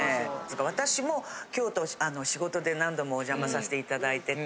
私も京都仕事で何度もお邪魔させていただいてて。